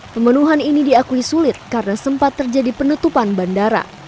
pemenuhan ini diakui sulit karena sempat terjadi penutupan bandara